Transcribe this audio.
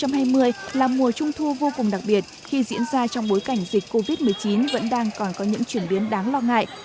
năm hai nghìn hai mươi là mùa trung thu vô cùng đặc biệt khi diễn ra trong bối cảnh dịch covid một mươi chín vẫn đang còn có những chuyển biến đáng lo ngại